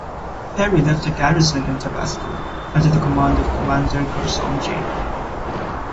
Perry left a garrison in Tabasco, under the command of Commander Gershom J.